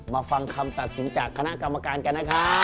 ฟังคำตัดสินจากคณะกรรมการกันนะครับ